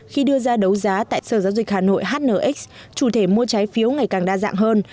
khi đưa ra đấu giá tại sở giao dịch hà nội hnx chủ thể mua trái phiếu ngày càng đa dạng hơn